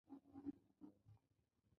یوه ورځ چې مینه کور ته راغله مېلمانه وو